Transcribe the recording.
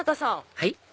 はい？